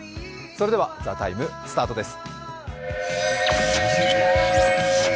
それでは「ＴＨＥＴＩＭＥ，」スタートです。